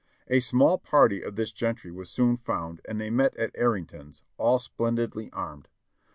A small party of this gentry was soon found and they met at Arrington's, all splendidly armed.